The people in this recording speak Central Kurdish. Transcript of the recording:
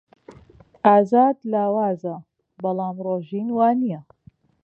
ئازاد لاوازە، بەڵام ڕۆژین وانییە.